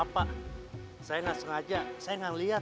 pak saya gak sengaja saya gak liat